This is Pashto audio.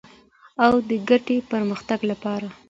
او د ګډ پرمختګ لپاره.